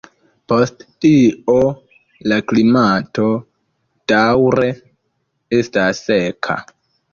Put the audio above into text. Post tio la klimato daŭre estas seka.